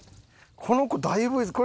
この子だいぶいいです。